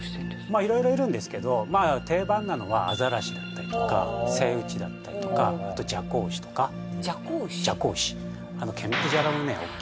まっ色々いるんですけど定番なのはアザラシだったりとかセイウチだったりとかあとジャコウウシとかジャコウウシジャコウウシ毛むくじゃらのねおっきい